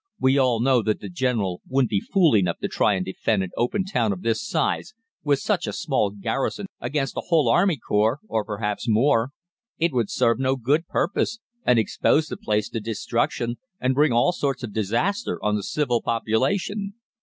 We all knew that the General wouldn't be fool enough to try and defend an open town of this size with such a small garrison against a whole army corps, or perhaps more. It would serve no good purpose, and expose the place to destruction and bring all sorts of disaster on the civil population.